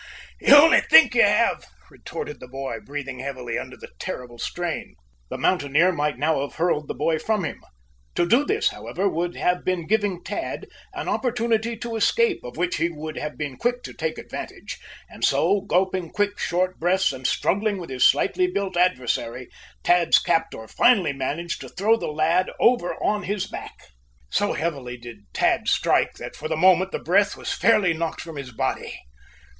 "You you only think you have," retorted the boy, breathing heavily under the terrible strain. The mountaineer might now have hurled the boy from him. To do this, however, would have been giving Tad an opportunity to escape, of which he would have been quick to take advantage; and so, gulping quick, short breaths, and struggling with his slightly built adversary, Tad's captor finally managed to throw the lad over on his back. So heavily did Tad strike that, for the moment, the breath was fairly knocked from his body.